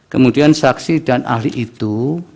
kemudian saksi dan ahli itu